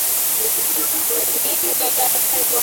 kesi nyingine za watu ishirini na tano zinaendelea